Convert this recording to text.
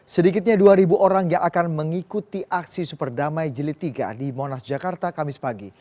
sedikitnya dua orang yang akan mengikuti aksi superdamai jelit tiga di monas jakarta kamis pagi